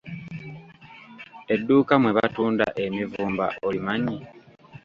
Edduuka mwe batunda emivumba olimanyi?